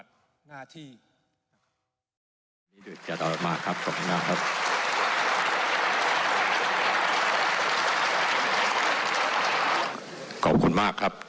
ท่านประธานครับ